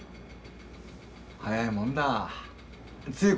早いもんだつい